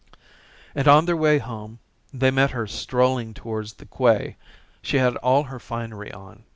And on their way home they met her strolling towards the quay. She had all her finery on.